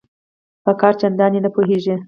په کار چنداني نه پوهیږي